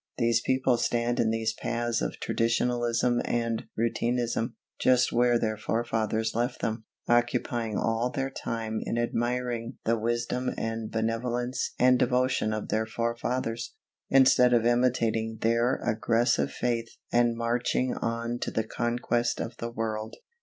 These people stand in these paths of traditionalism and routinism, just where their forefathers left them, occupying all their time in admiring the wisdom and benevolence and devotion of their forefathers, instead of imitating their aggressive faith and MARCHING ON TO THE CONQUEST OF THE WORLD.